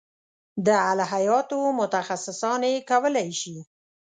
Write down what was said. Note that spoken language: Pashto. د الهیاتو متخصصان یې کولای شي.